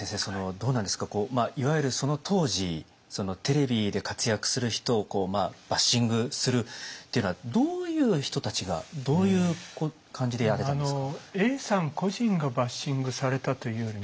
どうなんですかいわゆるその当時テレビで活躍する人をバッシングするっていうのはどういう人たちがどういう感じでやってたんですか？